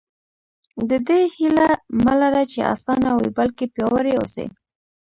د دې هیله مه لره چې اسانه وي بلکې پیاوړي اوسئ.